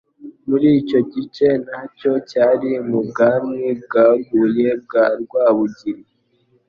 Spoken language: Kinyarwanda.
muri icyo gice nacyo cyari mu bwami bwaguye bwa Rwabugiri.